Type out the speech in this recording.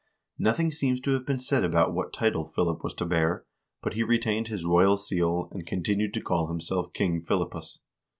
Nothing seems to have been said about what title Philip was to bear, but he retained his royal seal, and continued to call himself King Philippus.